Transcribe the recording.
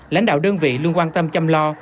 lãnh đạo đơn vị luôn quan tâm chăm lo